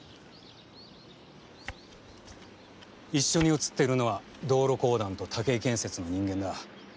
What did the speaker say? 一緒に写ってるのは道路公団と岳井建設の人間だ。